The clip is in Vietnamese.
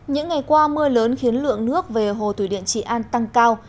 những ngày qua mưa lớn khiến lượng nước về hồ thủy điện trị an tăng cao